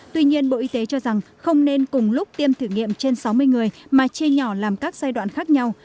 tuy nhiên bộ y tế cho rằng không nên cùng lúc tiêm thử nghiệm trên sáu mươi người mà chia nhỏ làm các giai đoạn khác nhau